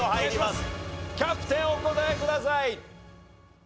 キャプテンお答えください。